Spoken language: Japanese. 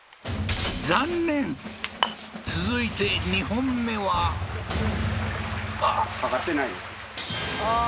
残念続いて２本目はああー